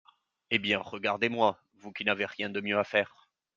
Eh bien, regardez-moi, vous qui n’avez rien de mieux à faire !